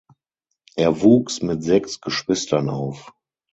Er wuchs mit sechs Geschwistern auf.